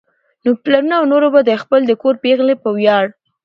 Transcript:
نو پلرونو او نورو به د خپل کور پېغلې په وياړ